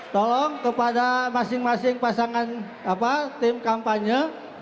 tolong kepada masing masing pasangan tim kampanye